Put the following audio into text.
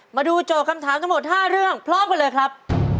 โจทย์คำถามทั้งหมด๕เรื่องพร้อมกันเลยครับ